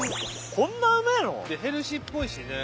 こんなうめえの？でヘルシーっぽいしね。